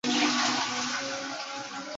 এগুলো এককালে রবিন আর লরি এর ছিল।